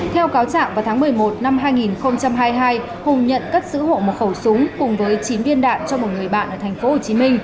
theo cáo chạm vào tháng một mươi một năm hai nghìn hai mươi hai hùng nhận cất giữ hộ một khẩu súng cùng với chín viên đạn trong mùa nghỉ